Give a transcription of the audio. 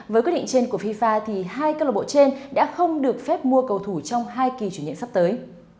với quyết định trên của fifa thì hai club bộ trên đã không được phép mua cầu thủ trong hai kỳ chuyển nhượng sắp tới